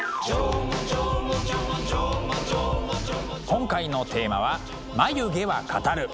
今回のテーマは「眉毛は語る」。